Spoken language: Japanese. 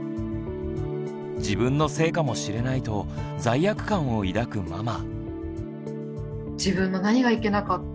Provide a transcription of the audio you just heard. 自分のせいかもしれないと罪悪感を抱くママ。